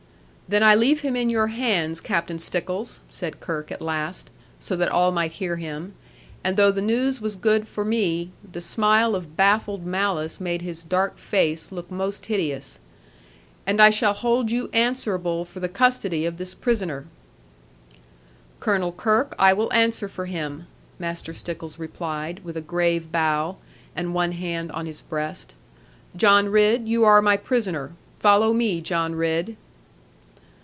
'Then I leave him in your hands, Captain Stickles,' said Kirke at last, so that all might hear him; and though the news was good for me, the smile of baffled malice made his dark face look most hideous; 'and I shall hold you answerable for the custody of this prisoner.' 'Colonel Kirke, I will answer for him,' Master Stickles replied, with a grave bow, and one hand on his breast: 'John Ridd, you are my prisoner. Follow me, John Ridd.'